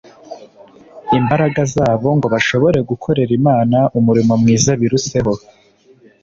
imbaraga zabo ngo bashobore gukorera Imana umurimo mwiza biruseho